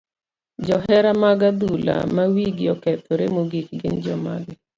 Johera mag adhula ma wigi okethore mogik gin jomage?